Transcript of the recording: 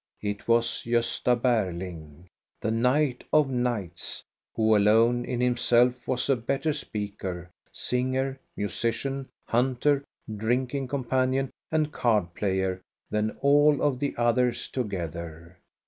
It was Gosta Berling, the Knight of Knights, who alone in himself was a better speaker, singer, musician, hunter, drinking companion and card player than all of the others together.